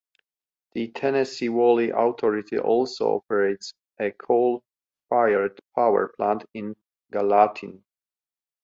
The Tennessee Valley Authority also operates a coal-fired power plant in Gallatin.